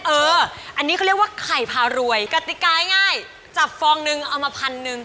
เอออันนี้เขาเรียกว่าไข่พารวยกติกาง่ายจับฟองนึงเอามาพันหนึ่ง